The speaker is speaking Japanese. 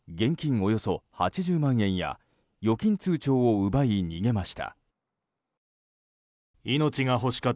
およそ８０万円や預金通帳を奪い逃げました。